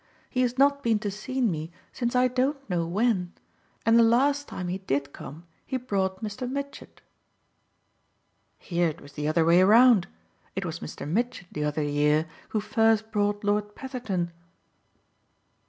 He has not been to see me since I don't know when, and the last time he did come he brought Mr. Mitchett." "Here it was the other way round. It was Mr. Mitchett, the other year, who first brought Lord Petherton."